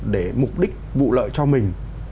để mục đích vụ lợi cho mình